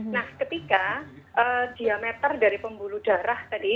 nah ketika diameter dari pembuluh darah tadi